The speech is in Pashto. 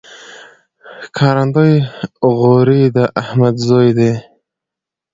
ښکارندوی غوري د احمد زوی دﺉ.